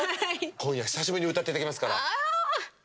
今夜、久しぶりに歌っていただきますから。